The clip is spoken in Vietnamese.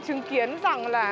chứng kiến rằng là